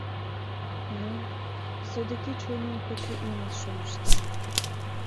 Но... содыки чоным кочо ӱмыл шойышта.